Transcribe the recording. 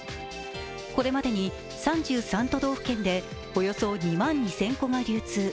これまでに３３都道府県でおよそ２万２０００個が流通。